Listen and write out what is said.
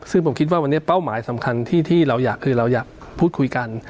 ซึ่งผมคิดว่าวันนี้เป้าหมายสำคัญที่เราอยากคือเราอยากพูดคุยกัน